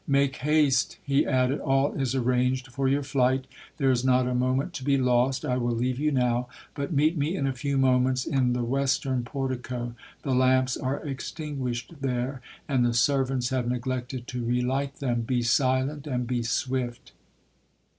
'Make haste,' he added—'All is arranged for your flight—there is not a moment to be lost—I will leave you now, but meet me in a few moments in the western portico—the lamps are extinguished there, and the servants have neglected to relight them—be silent and be swift!'